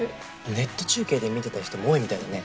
ネット中継で見てた人も多いみたいだね。